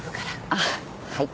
あっはい。